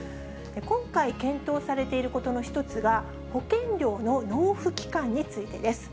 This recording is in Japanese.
今回検討されていることの１つが、保険料の納付期間についてです。